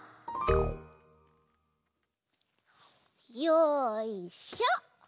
よいしょ！